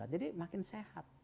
jadi makin sehat